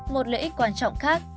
một lợi ích quan trọng khác